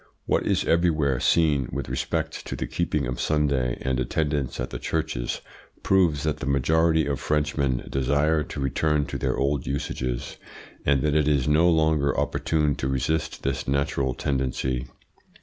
"What is everywhere seen with respect to the keeping of Sunday and attendance at the churches proves that the majority of Frenchmen desire to return to their old usages and that it is no longer opportune to resist this natural tendency.